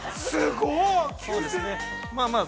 すごい。